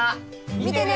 見てね！